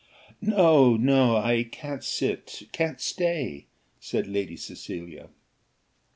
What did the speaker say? "No, no, I can't sit, can't stay," said Lady Cecilia.